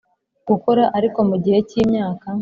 Gukora ariko mu gihe cy imyaka